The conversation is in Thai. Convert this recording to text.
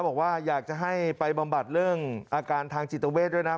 บอกว่าอยากจะให้ไปบำบัดเรื่องอาการทางจิตเวทด้วยนะ